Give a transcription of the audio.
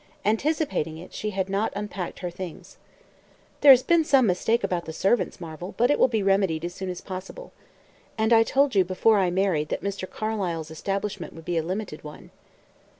Anticipating it, she had not unpacked her things. "There has been some mistake about the servants, Marvel, but it will be remedied as soon as possible. And I told you before I married that Mr. Carlyle's establishment would be a limited one."